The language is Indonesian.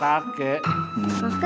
kakek baru belajar sholat ya